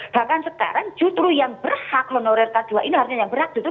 bahkan sekarang jutru yang berhak honorer k dua ini yang berhak jutru